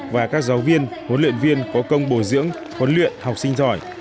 và các giáo viên huấn luyện viên có công bồi dưỡng huấn luyện học sinh giỏi